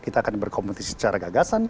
kita akan berkompetisi secara gagasan